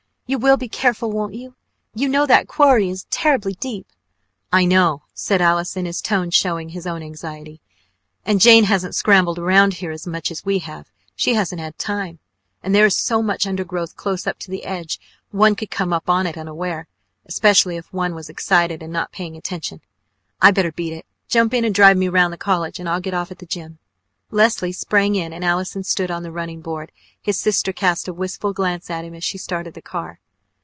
"You will be careful, won't you? You know that quarry is terribly deep " "I know!" said Allison, his tone showing his own anxiety. "And Jane hasn't scrambled around here as much as we have; she hasn't had the time. And there is so much undergrowth close up to the edge, one could come on it unaware especially if one was excited, and not paying attention ! I better beat it! Jump in and drive me around college and I'll get off at the gym." Leslie sprang in and Allison stood on the running board. His sister cast a wistful glance at him as she started the car.